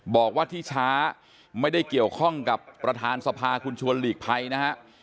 บอกว่าที่ช้าไม่ได้เกี่ยวข้องกับประธานสภาคุณชวนหลีกภัยนะฮะ